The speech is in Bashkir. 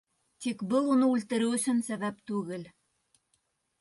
Тик был уны үлтереү өсөн сәбәп түгел!